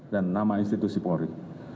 dan nama institusi polri